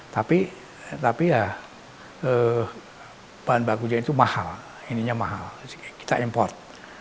tapi bahan bakunya itu mahal ininya mahal kita import